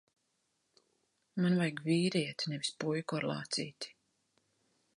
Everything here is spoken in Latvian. Man vajag vīrieti, nevis puiku ar lācīti.